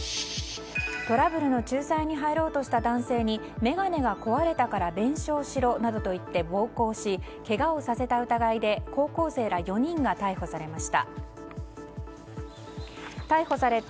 トラブルの仲裁に入ろうとした男性に眼鏡が壊れたから弁償しろなどと言って暴行し、けがをさせた疑いで高校生ら４人が逮捕されました。